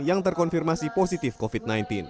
yang terkonfirmasi positif covid sembilan belas